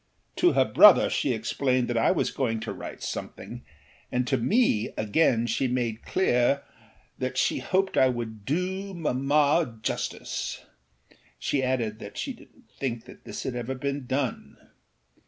To her brother she explained that I was going to write something, and to me again she made it clear that she hoped I would âdo mamma justice.â She added that she didnât think this had ever been done.